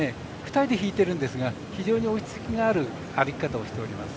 ２人で引いてるんですが非常に落ち着きのある歩き方をしております。